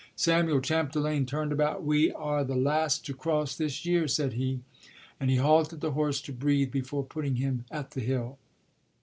Samuel Chapdelaine turned about. "We are the last to cross this year," said he. And he halted the horse to breathe before putting him at the hill.